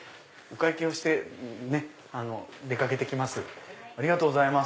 お会計をしてね出掛けて来ます。